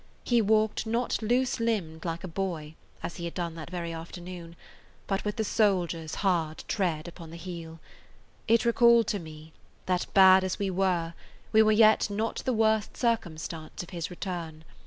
He walked not loose limbed like a boy, as he had done that very afternoon, but with the soldier's hard tread upon the heel. It recalled to me that, bad as we were, we were yet not the worst circumstance of his return.